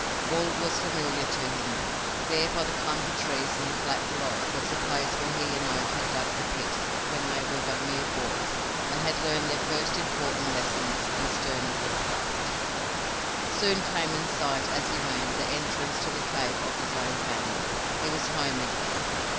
All was familiar to him now. There, by the clump of trees in the flat below, was the place where he and Oak had dug the pit when they were but mere boys and had learned their first important lessons in sterner woodcraft. Soon came in sight, as he ran, the entrance to the cave of his own family. He was home again.